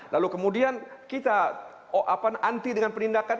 lalu kemudian kita anti dengan penindakan